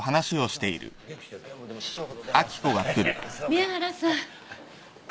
宮原さん。